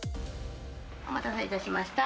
お待たせいたしました。